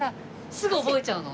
すぐ覚えちゃうの？